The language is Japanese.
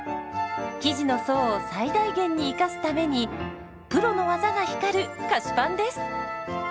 生地の層を最大限に生かすためにプロの技が光る菓子パンです。